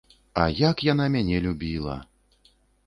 А як яна мяне любіла!